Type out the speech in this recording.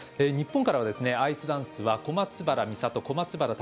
日本からはアイスダンスは小松原美里小松原